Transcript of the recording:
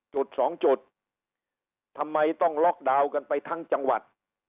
จุดสองจุดทำไมต้องล็อกดาวน์กันไปทั้งจังหวัด